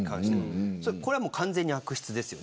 これは完全に悪質です。